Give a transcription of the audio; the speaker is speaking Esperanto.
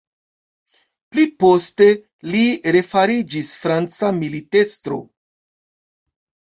Pliposte, li refariĝis franca militestro.